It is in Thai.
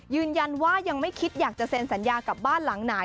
ยืนยันว่ายังไม่คิดอยากจะเซ็นสัญญากับบ้านหลังไหน